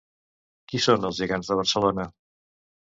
Qui són els gegants de Barcelona?